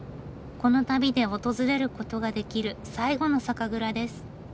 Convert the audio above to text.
この旅で訪れることができる最後の酒蔵です。